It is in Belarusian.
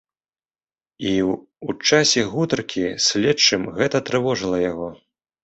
І ў часе гутаркі з следчым гэта трывожыла яго.